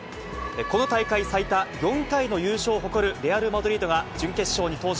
この大会最多４回の優勝を誇るレアル・マドリードが、準決勝に登場。